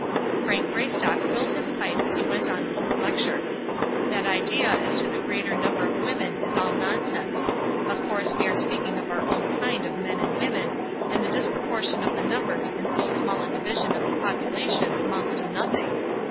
Frank Greystock filled his pipe as he went on with his lecture. "That idea as to the greater number of women is all nonsense. Of course we are speaking of our own kind of men and women, and the disproportion of the numbers in so small a division of the population amounts to nothing.